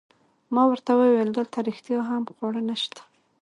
ما ورته وویل: دلته رښتیا هم خواړه نشته؟